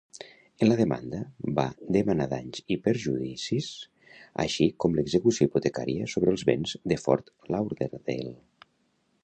En la demanda, va demanar danys i perjudicis, així com l'execució hipotecària sobre els béns de Fort Lauderdale.